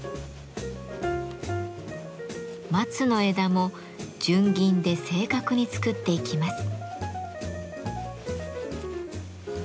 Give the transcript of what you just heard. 松の枝も純銀で正確に作っていきます。